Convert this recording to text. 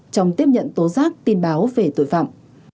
trong tiếp nhận tố giác tin báo về tội phạm